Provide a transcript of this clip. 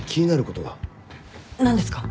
何ですか？